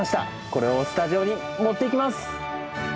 これをスタジオに持っていきます！